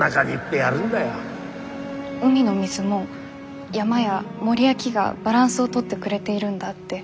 海の水も山や森や木がバランスを取ってくれているんだって